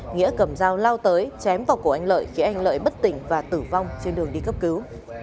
nghĩa cầm dao lao tới chém vào cổ anh lợi khiến anh lợi bất tỉnh và tử vong trên đường đi cấp cứu